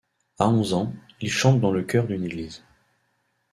À onze ans, il chante dans le chœur d'une église.